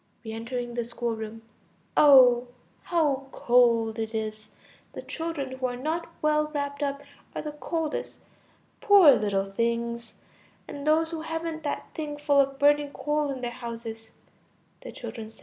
(Re entering the schoolroom.) Oh! how cold it is! The children who are not well wrapped up are the coldest. Poor little things! And those who haven't that thing full of burning coal in their houses! Children.